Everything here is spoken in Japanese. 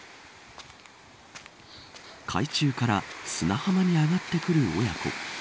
海中から砂浜に上がってくる親子。